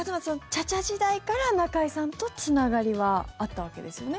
ＣＨＡ−ＣＨＡ時代から中居さんとつながりはあったわけですよね。